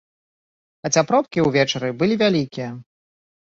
Хаця пробкі ўвечары былі вялікія.